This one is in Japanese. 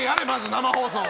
生放送を！